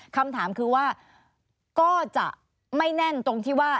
คำถามคือว่าก็จะไม่แน่นตรงที่ว่า